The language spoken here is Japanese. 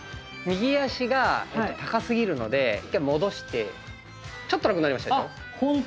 右足が高すぎるので一回戻してちょっと楽になりましたでしょう？